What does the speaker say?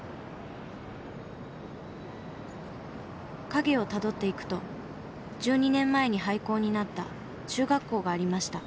影をたどっていくと１２年前に廃校になった中学校がありました。